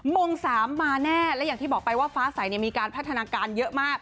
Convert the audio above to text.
โมง๓มาแน่และอย่างที่บอกไปว่าฟ้าใสมีการพัฒนาการเยอะมาก